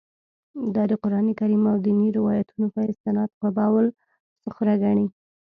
دا د قران کریم او دیني روایتونو په استناد قبه الصخره ګڼي.